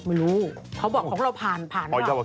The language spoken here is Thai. ไม่รู้เขาบอกของเราผ่านหรือเปล่า